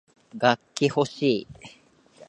楽器ほしい